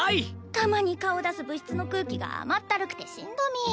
たまに顔出す部室の空気が甘ったるくてしんどみ。